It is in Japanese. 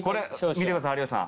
見てください有吉さん。